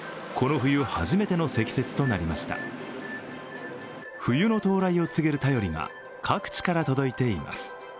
冬の到来を告げる便りが各地から届いています。